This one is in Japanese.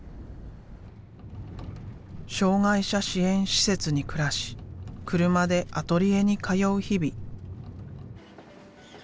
障害者支援施設に暮らし車でアトリエに通う日々。